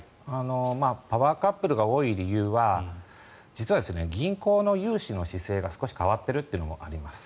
パワーカップルが多い理由は実は、銀行の融資の姿勢が少し変わっているというのもあります。